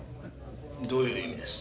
どういう意味です？